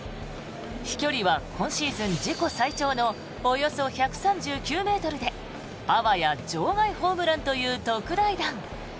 飛距離は今シーズン自己最長のおよそ１３９ｍであわや場外ホームランという特大弾。